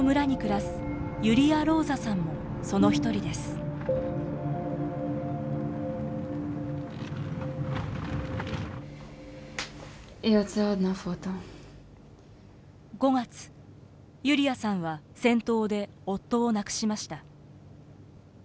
５月ユリアさんは戦闘で夫を亡くしました。